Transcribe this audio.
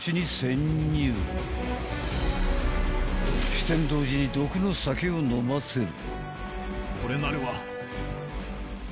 ［酒呑童子に毒の酒を飲ませる］